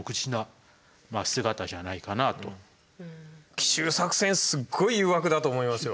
奇襲作戦すごい誘惑だと思いますよ。